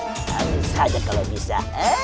harus saja kalau bisa